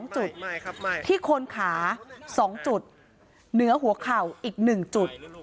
๒จุดที่โคนขา๒จุดเหนือหัวเข่าอีก๑จุด